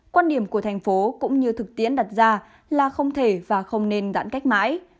quan điểm của thành phố cũng như thực tiễn đặt ra là không thể và không nên giãn cách mãi